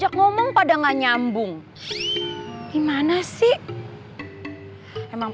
hah temen temen nenek yang ada di sini itu sekarang gak seru